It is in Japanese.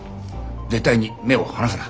絶対に目を離すな。